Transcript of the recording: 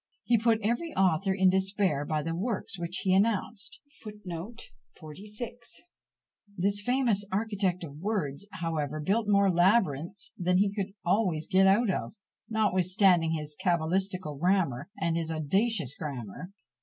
He put every author in despair by the works which he announced. This famous architect of words, however, built more labyrinths than he could always get out of, notwithstanding his "cabalistical grammar," and his "audacious grammar."